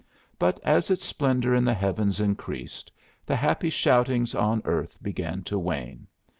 But as its splendor in the heavens increased, the happy shoutings on earth began to wane.